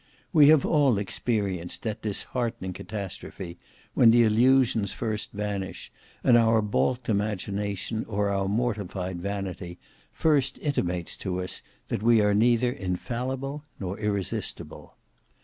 We have all experienced that disheartening catastrophe, when the illusions first vanish; and our balked imagination, or our mortified vanity, first intimates to us that we are neither infallible nor irresistible.